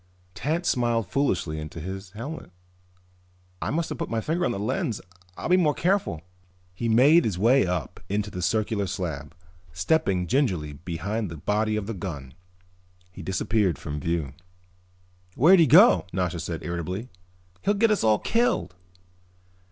Tance smiled foolishly inside his helmet. "I must have put my finger over the lens. I'll be more careful." He made his way up onto the circular slab, stepping gingerly behind the body of the gun. He disappeared from view. "Where did he go?" Nasha said irritably. "He'll get us all killed."